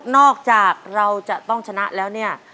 นอกจากเราจะต้องชนะแล้วเนี่ย